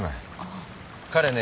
彼ね